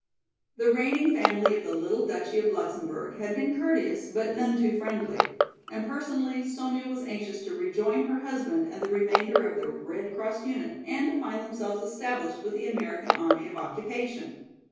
The reigning family of the little duchy of Luxemburg had been courteous but none too friendly, and personally Sonya was anxious to rejoin her husband and the remainder of their Red Cross unit and to find themselves established with the American Army of Occupation.